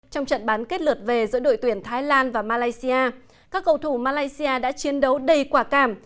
trong trận bán kết lượt về giữa đội tuyển thái lan và malaysia các cầu thủ malaysia đã chiến đấu đầy quả cảm